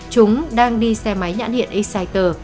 chúng đang đi xe máy nhãn hiện exciter